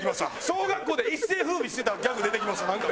小学校で一世風靡してたギャグ出てきましたなんか。